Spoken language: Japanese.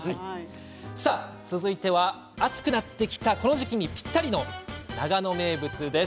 続いては暑くなってきたこの時期にぴったりの長野名物です。